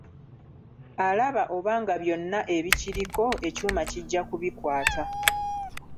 Alaba oba nga byonna ebikiriko, ekyuma kijja kubikwata.